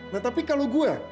nah tapi kalau gue